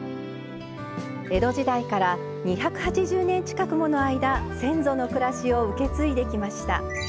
江戸時代から２８０年近くもの間先祖の暮らしを受け継いできました。